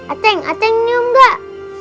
ateng ateng nyum gak